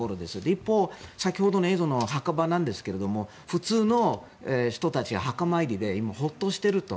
一方、先ほどの映像の墓場ですが普通の人たちが墓参りで今ホッとしていると。